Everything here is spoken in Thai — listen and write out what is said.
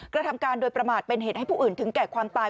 กระทำการโดยประมาทเป็นเหตุให้ผู้อื่นถึงแก่ความตาย